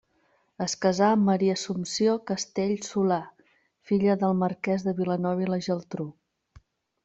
Es casà amb Maria Assumpció Castell Solà, filla del marquès de Vilanova i la Geltrú.